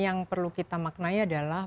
yang perlu kita maknai adalah